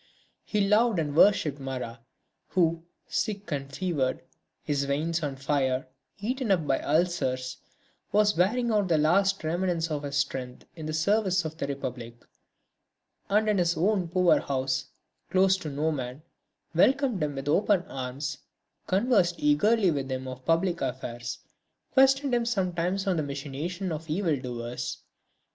He loved and worshipped Marat, who, sick and fevered, his veins on fire, eaten up by ulcers, was wearing out the last remnants of his strength in the service of the Republic, and in his own poor house, closed to no man, welcomed him with open arms, conversed eagerly with him of public affairs, questioned him sometimes on the machinations of evil doers.